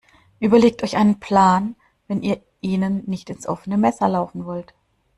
Überlegt euch einen Plan, wenn ihr ihnen nicht ins offene Messer laufen wollt.